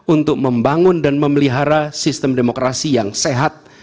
untuk membangun dan memelihara sistem demokrasi yang sehat